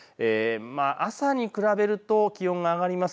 朝に比べると気温が上がります。